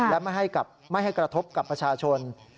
และไม่ให้กระทบกับประชาชน